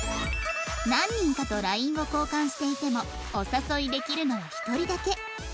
何人かと ＬＩＮＥ を交換していてもお誘いできるのは１人だけ